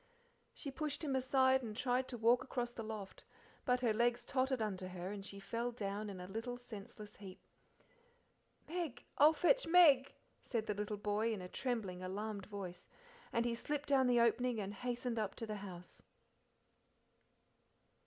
She pushed him aside and tried to walk across the loft, but her legs tottered under her and she fell down in a little senseless heap. "Meg I'll fetch Meg," said the little boy in a trembling, alarmed voice, and he slipped down the opening and hastened up to the house.